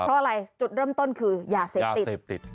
เพราะอะไรจุดเริ่มต้นคือยาเสพติด